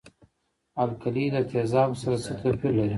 القلي له تیزابو سره څه توپیر لري.